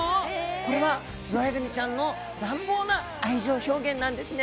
これはズワイガニちゃんの乱暴な愛情表現なんですね。